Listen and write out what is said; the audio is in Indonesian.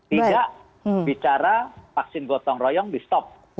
tidak bicara vaksin gotong royong di stop